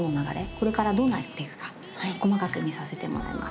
これからどうなっていくか細かく見させてもらいます。